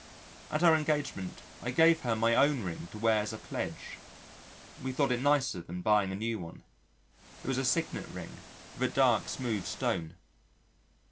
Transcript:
At our engagement I gave her my own ring to wear as a pledge we thought it nicer than buying a new one. It was a signet ring with a dark smooth stone.